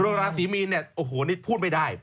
ราศีมีนเนี่ยโอ้โหนี่พูดไม่ได้